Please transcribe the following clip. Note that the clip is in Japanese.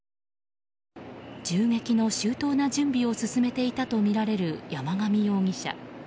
銃撃の周到な準備を進めていたとみられる山上容疑者。